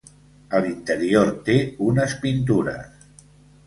A l'interior té unes pintures.